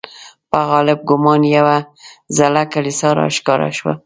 په غالب ګومان یوه زړه کلیسا را ښکاره شوه.